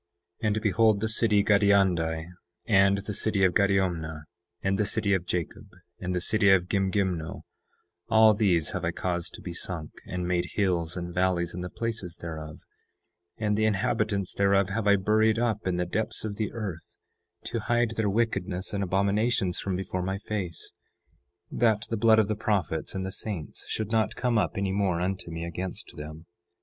9:8 And behold, the city of Gadiandi, and the city of Gadiomnah, and the city of Jacob, and the city of Gimgimno, all these have I caused to be sunk, and made hills and valleys in the places thereof; and the inhabitants thereof have I buried up in the depths of the earth, to hide their wickedness and abominations from before my face, that the blood of the prophets and the saints should not come up any more unto me against them.